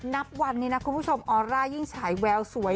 นับวันนี้นะคุณผู้ชมออร่ายิ่งฉายแววสวย